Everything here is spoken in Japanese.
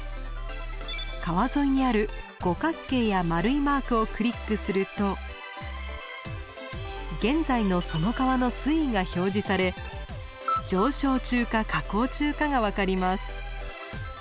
川沿いにある五角形や丸いマークをクリックすると現在のその川の水位が表示され上昇中か下降中かが分かります。